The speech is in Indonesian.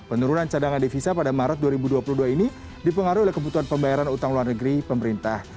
penurunan cadangan devisa pada maret dua ribu dua puluh dua ini dipengaruhi oleh kebutuhan pembayaran utang luar negeri pemerintah